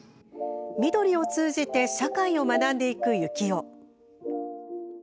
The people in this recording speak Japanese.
翠を通じて社会を学んでいくユキオ。